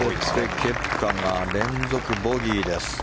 ケプカが連続ボギーです。